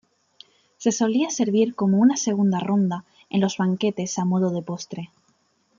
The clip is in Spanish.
Se solía servir como una segunda ronda en los banquetes a modo de postre.